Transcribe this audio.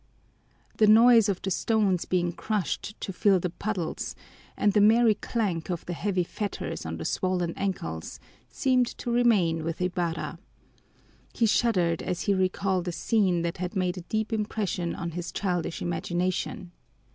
The noise of the stones being crushed to fill the puddles and the merry clank of the heavy fetters on the swollen ankles seemed to remain with Ibarra. He shuddered as he recalled a scene that had made a deep impression on his childish imagination.